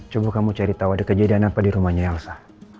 coba kamu cari tahu ada kejadian apa di rumahnya elsa